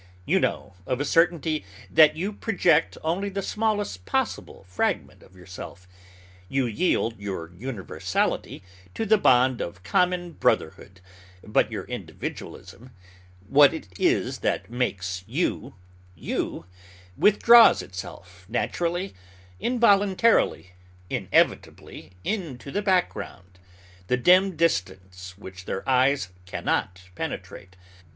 You know, of a certainty, that you project only the smallest possible fragment of yourself. You yield your universality to the bond of common brotherhood; but your individualism what it is that makes you you withdraws itself naturally, involuntarily, inevitably into the background, the dim distance which their eyes can not penetrate.